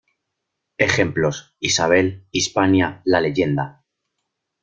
Ejemplos: Isabel, Hispania, la leyenda.